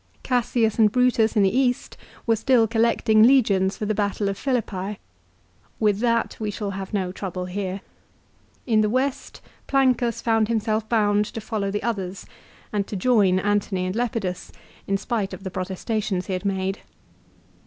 Cassius and Brutus in the East were still collecting legions for the battle of Philippi. With that we shall have no trouble here. In the West Plancus found himself bound to follow the others, and to join Antony and Lepidus in spite of the protestations he had made.